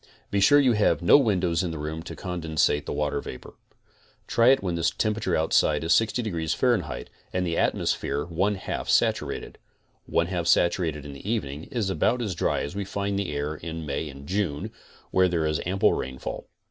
Be sure you have no windows in the room to condense the water vapor. Try it when temperature outside is 60 deg. F and the atmosphere one half saturated, (one half saturated in the evening is about as dry as we find the air in May and June where there is ample rain fall).